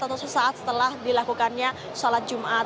atau sesaat setelah dilakukannya